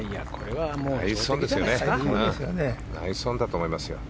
ナイスオンだと思います。